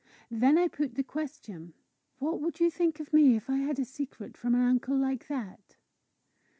Then I put the question: "What would you think of me if I had a secret from an uncle like that?"